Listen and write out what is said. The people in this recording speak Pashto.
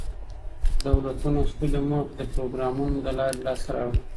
دولتونه خپلي موخي د پروګرامونو له لاري لاسته راوړي.